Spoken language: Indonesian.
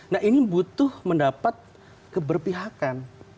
nah ini butuh mendapat keberpihakan